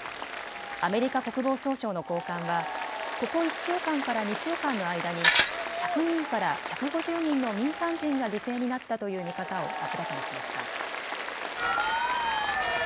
アメリカ国防総省の高官はここ１週間から２週間の間に１００人から１５０人の民間人が犠牲になったという見方を明らかにしました。